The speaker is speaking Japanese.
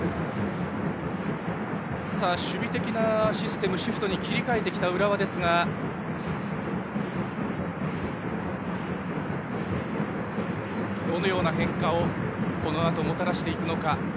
守備的なシステム、シフトに切り替えてきた浦和ですがどのような変化をこのあと、もたらしていくのか。